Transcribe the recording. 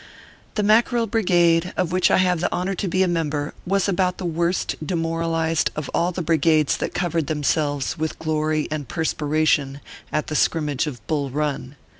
The Mackerel Brigade, of which I have the honor to be a member, was about the worst demoralized of all the brigades that covered themselves with glory and perspiration at the skrirnmage of Bull Bun.